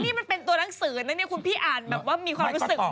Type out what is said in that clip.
นี่มันเป็นตัวหนังสือนะเนี่ยคุณพี่อ่านแบบว่ามีความรู้สึก